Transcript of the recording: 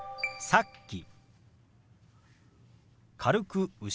「さっき」。